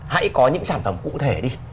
hãy có những sản phẩm cụ thể đi